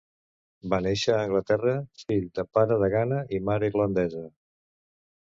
Va néixer a Anglaterra, fill de pare de Ghana i mare irlandesa.